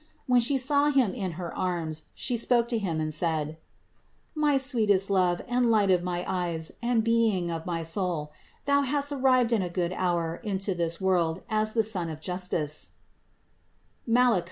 And when She saw Him in her arms, She spoke to Him and said : "My sweetest Love and light of my eyes and being of my soul, Thou hast arrived in good hour into this world as the Sun of justice (Malach.